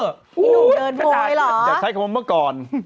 อีหนุ่มเดินโพยเหรออยากใช้คำว่าเมื่อก่อน